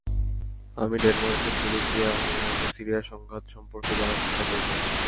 আমি ডেনমার্কে ফিরে গিয়ে অনলাইনে সিরিয়ার সংঘাত সম্পর্কে জানার চেষ্টা করব।